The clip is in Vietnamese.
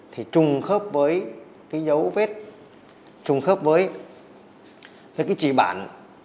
thì trùng khớp với cái dấu vết trùng khớp với cái chỉ bản